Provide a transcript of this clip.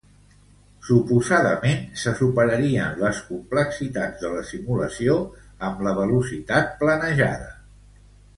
Suposadament se superarien les complexitats de la simulació amb la velocitat planejada.